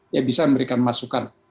ya bisa memberikan masukan